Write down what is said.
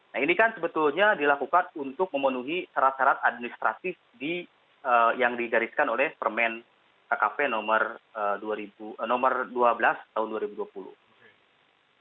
nah ini kan sebetulnya dilakukan untuk memenuhi syarat syarat administratif yang digariskan oleh permen kkp nomor dua belas tahun dua ribu dua puluh